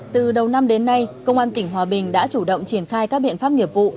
từ đầu năm đến nay công an tỉnh hòa bình đã chủ động triển khai các biện pháp nghiệp vụ